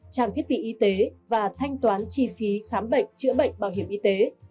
trang thiết bị y tế và thanh toán chi phí khám bệnh chữa bệnh bảo hiểm y tế